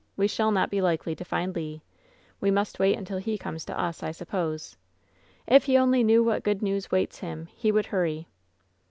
We shall not be likely to find Le! We must wait until he comes to us, I suppose! If he only knew what good news waits him he would hurry